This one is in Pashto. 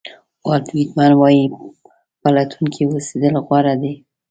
والټ وېټمن وایي پلټونکی اوسېدل غوره دي.